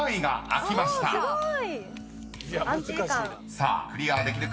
［さあクリアできるか？